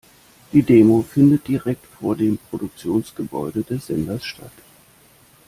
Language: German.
Die Demo findet direkt vor dem Produktionsgebäude des Senders statt.